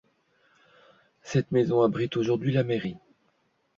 Cette maison abrite aujourd'hui la mairie.